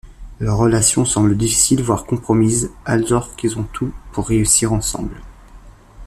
Leur relation semble difficile, voire compromise, alors qu'ils ont tout pour réussir ensemble…